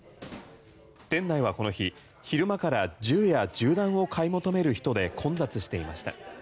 店内はこの日、昼間から銃や銃弾を買い求める人で混雑していました。